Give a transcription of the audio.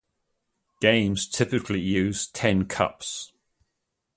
Games typically use ten cups.